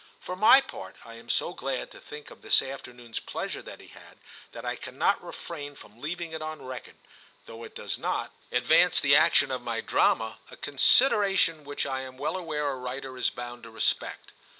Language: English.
For my part, I am so glad to think of this afternoon s pleasure that he had, that I cannot refrain from leaving it on record, though it does not 152 TIM CHAP. advance the action of my drama, a considera tion which I am well aware a writer is bound to respect.